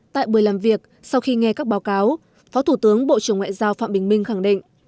tại buổi làm việc sau khi nghe các báo cáo phó thủ tướng bộ trưởng ngoại giao phạm bình minh khẳng định